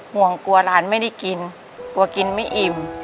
ห่วงกลัวหลานไม่ได้กินกลัวกินไม่อิ่ม